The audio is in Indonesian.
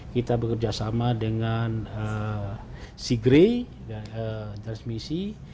kita bekerjasama dengan seagrey transmissi